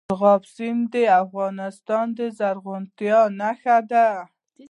مورغاب سیند د افغانستان د زرغونتیا نښه ده.